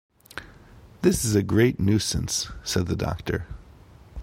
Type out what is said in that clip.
“This is a great nuisance,” said the Doctor.